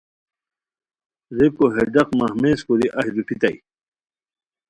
ریکو ہے ڈاق مہمیز کوری اہی روپھیتائے